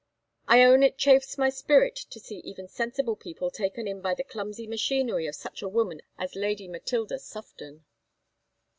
I own it chafes my spirit to see even sensible people taken in by the clumsy machinery of such a woman as Lady Matilda Sufton.